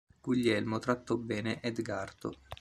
Guglielmo trattò bene Edgardo.